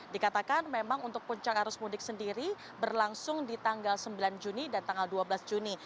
dikatakan memang untuk puncak arus mudik sendiri berlangsung di tanggal sembilan juni dan tanggal dua belas juni